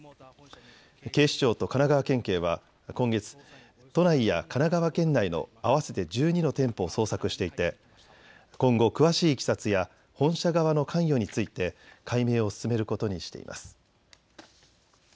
警視庁と神奈川県警は今月、都内や神奈川県内の合わせて１２の店舗を捜索していて今後詳しいいきさつや本社側の関与について解明を進めることにしています。